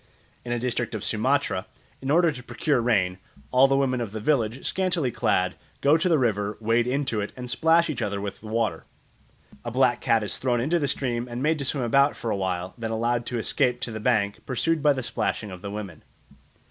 In a district of Sumatra, in order to procure rain, all the women of the village, scantily clad, go to the river, wade into it, and splash each other with the water. A black cat is thrown into the stream and made to swim about for a while, then allowed to escape to the bank, pursued by the splashing of the women.